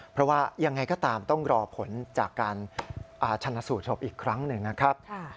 เพราะว่ายังไงก็ตามต้องรอผลจากการชนะสูตรศพอีกครั้งหนึ่งนะครับ